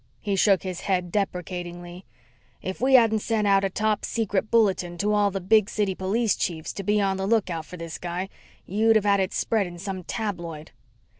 He shook his head deprecatingly. "If we hadn't sent out a top secret bulletin to all the big city police chiefs to be on the lookout for this guy you'd have had it spread in some tabloid."